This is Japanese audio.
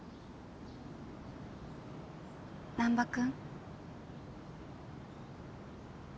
難破君？